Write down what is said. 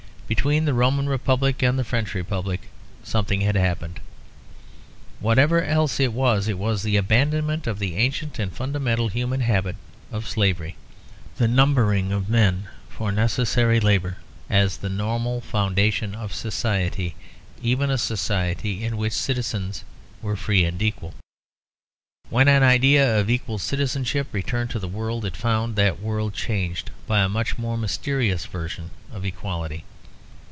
Between the Roman Republic and the French Republic something had happened. Whatever else it was, it was the abandonment of the ancient and fundamental human habit of slavery; the numbering of men for necessary labour as the normal foundation of society, even a society in which citizens were free and equal. When the idea of equal citizenship returned to the world, it found that world changed by a much more mysterious version of equality.